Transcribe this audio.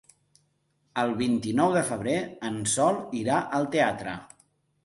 El vint-i-nou de febrer en Sol irà al teatre.